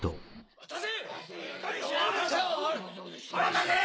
渡せ！